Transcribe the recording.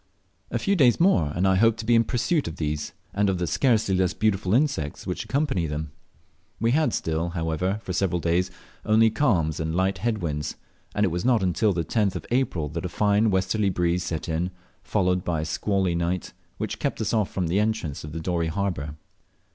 A few days more and I hoped to be in pursuit of these, and of the scarcely less beautiful insects which accompany them. We had still, however, for several days only calms and light head winds, and it was not till the 10th of April that a fine westerly breeze set in, followed by a squally night, which kept us off the entrance of Dorey harbour.